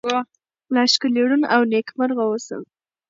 لا ښکلې، ړون، او نکيمرغه اوسه👏